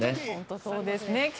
本当そうですね。